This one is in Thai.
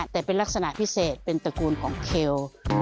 แต่เป็นลักษณะพิเศษเป็นตระกูลของเคล